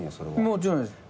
もちろんです。